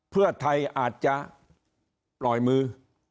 เพื่อไทยอาจจะปล่อยมือ